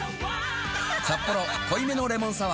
「サッポロ濃いめのレモンサワー」